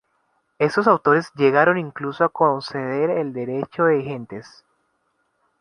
Estos autores llegaron incluso a conceder el derecho de gentes.